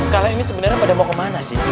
kalian ini sebenarnya pada mau ke mana sih